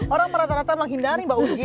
orang merata rata menghindari mbak ujian